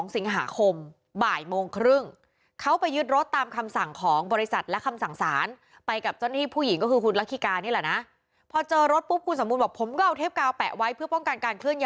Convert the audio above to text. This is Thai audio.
๒สิงหาคมบ่ายโมงครึ่งเขาไปยืดรถตามคำสั่งของบริษัทและคำสั่งสาร